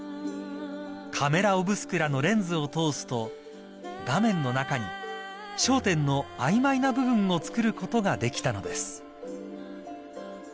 ［カメラ・オブスクラのレンズを通すと画面の中に焦点の曖昧な部分をつくることができたのです］